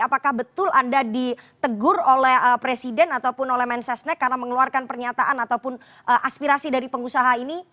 apakah betul anda ditegur oleh presiden ataupun oleh mensesnek karena mengeluarkan pernyataan ataupun aspirasi dari pengusaha ini